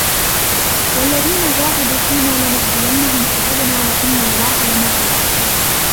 وَالَّذِينَ جَاهَدُوا فِينَا لَنَهْدِيَنَّهُمْ سُبُلَنَا وَإِنَّ اللَّهَ لَمَعَ الْمُحْسِنِينَ